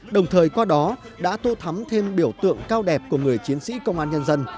đồng thời qua đó đã tô thắm thêm biểu tượng cao đẹp của người chiến sĩ công an nhân dân